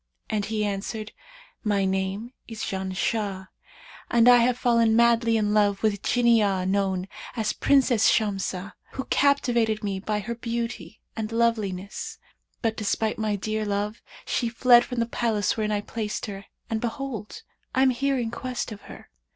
and he answered, 'My name is Janshah, and I have fallen madly in love with a Jinniyah known as Princess Shamsah, who captivated me by her beauty and loveliness; but despite my dear love she fled from the palace wherein I placed her and behold, I am here in quest of her.'